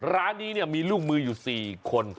ร้านนี้มีลูกมืออยู่๔คน